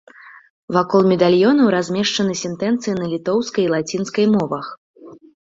Вакол медальёнаў размешчаны сентэнцыі на літоўскай і лацінскай мовах.